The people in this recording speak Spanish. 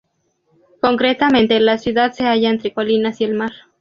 Concretamente, la ciudad se halla entre colinas y el mar.